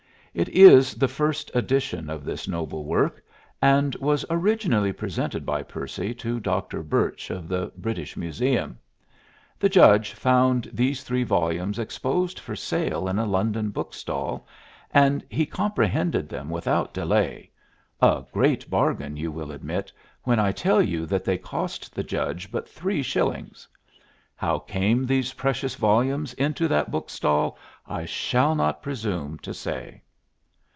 It is the first edition of this noble work, and was originally presented by Percy to Dr. Birch of the British Museum. The Judge found these three volumes exposed for sale in a London book stall, and he comprehended them without delay a great bargain, you will admit, when I tell you that they cost the Judge but three shillings! How came these precious volumes into that book stall I shall not presume to say.